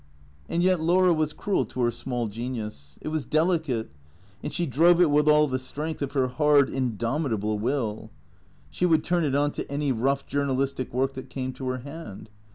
And yet Laura was cruel to her small genius. It was deli cate, and she drove it with all the strength of her hard, indom itable will. She would turn it on to any rough journalistic work that came to her hand.